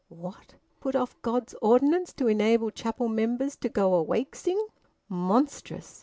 What! Put off God's ordinance, to enable chapel members to go `a wakesing'! Monstrous!